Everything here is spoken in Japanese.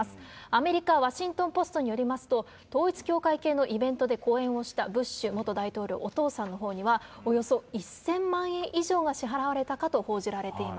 アメリカ、ワシントン・ポストによりますと、統一教会系のイベントで講演をしたブッシュ元大統領、お父さんのほうには、およそ１０００万円以上が支払われたかと報じられてい